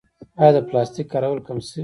آیا د پلاستیک کارول کم شوي؟